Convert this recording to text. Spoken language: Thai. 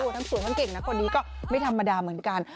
ทั้งสวยทั้งเก่งนะคนนี้ก็ไม่ธรรมดาเหมือนกัน